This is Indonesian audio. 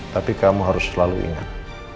tapi kamu harus selalu ingat